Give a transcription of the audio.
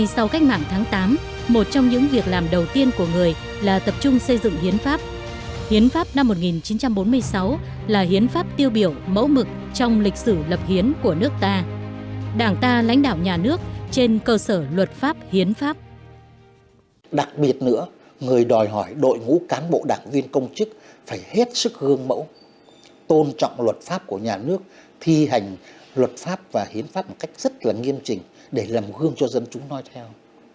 đặc biệt nữa người đòi hỏi đội ngũ cán bộ đảng viên công chức phải hết sức hương mẫu tôn trọng luật pháp của nhà nước thi hành luật pháp và hiến pháp một cách rất nghiêm trình để làm hương cho dân chúng nói theo